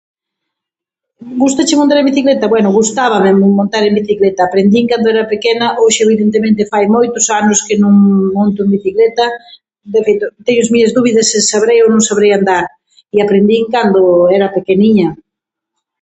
Gústache montar en bicicleta? Bueno, gustábame montar en bicicleta, aprendín cando era pequena, hoxe, evidentemente, fai moitos anos que non monto en bicicleta, de feito, teño as miñas dúbidas se sabrei ou no sabrei andar e aprendín cando era pequeniña.